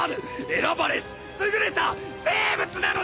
選ばれし優れた生物なのだ！